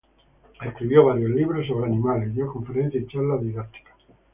Escribió varios libros sobre animales y dio conferencias y charlas didácticas.